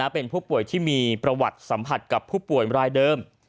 เป็นผู้ป่วยที่มีประวัติสัมผัสกับผู้ป่วยรายเดิม